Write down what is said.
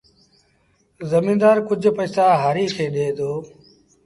زميݩدآر ڪجھ پئيٚسآ هآريٚ کي ڏي دو